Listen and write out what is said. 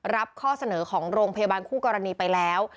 ข้อเสนอของโรงพยาบาลคู่กรณีไปแล้ว